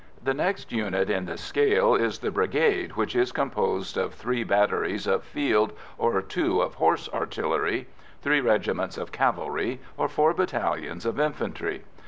The next unit in the scale is the brigade, which is composed of three batteries of field or two of horse artillery, three regiments of cavalry, or four battalions of infantry.